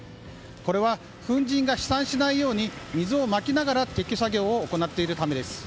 これは粉じんが飛散しないように水をまきながら撤去作業を行っているためです。